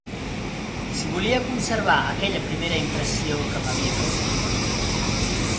Si volia conservar aquella primera impressió que m'havia causat